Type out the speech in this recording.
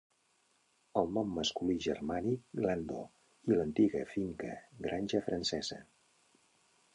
El nom masculí germànic "Glando" i l'antiga "finca" "granja" francesa.